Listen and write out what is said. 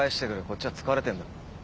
こっちは疲れてるんだ。